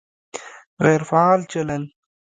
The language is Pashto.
غیر فعال چلند